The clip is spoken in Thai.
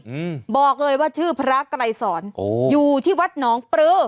อืมบอกเลยว่าชื่อพระไกรสอนโอ้อยู่ที่วัดหนองปลือ